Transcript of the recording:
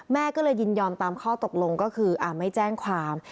แม่ก็เลยยินยอมตามข้อตกลงก็คือไม่แจ้งความ